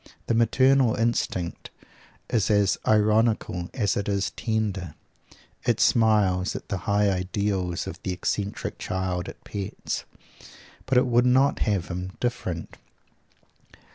The maternal instinct is as ironical as it is tender. It smiles at the high ideals or the eccentric child it pets, but it would not have him different.